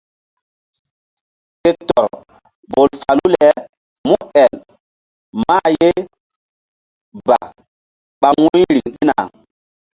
Ke tɔr bol falu le múel mah ye ba ɓa wu̧y riŋ ɗina.